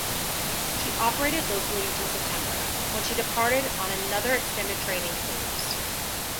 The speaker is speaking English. She operated locally until September, when she departed on another extended training cruise.